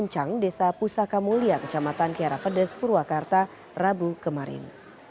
kencang desa pusaka mulia kecamatan kiara pedes purwakarta rabu kemarin